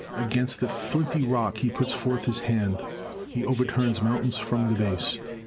— Against the flinty rock he puts forth his hand; he overturns mountains from the base.